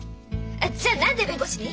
えっじゃあ何で弁護士に？